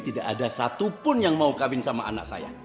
tidak ada satupun yang mau kawin sama anak saya